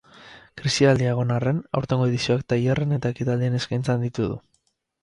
Krisialdia egon arren, aurtengo edizioak tailerren eta ekitaldien eskaintza handitu du.